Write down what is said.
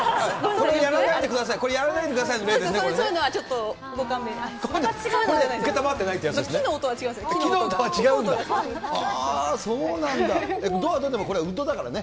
これやらないでください、これ、やらないでくださいのやつですね、これね。